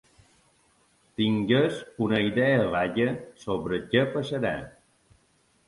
Tingués una idea vaga sobre què passarà.